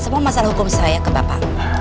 semua masalah hukum saya ke bapak